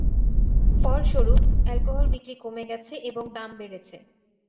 ফলস্বরূপ, অ্যালকোহল বিক্রি কমে গেছে এবং দাম বেড়েছে।